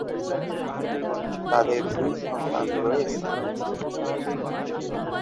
তাদের দুই সন্তান রয়েছে।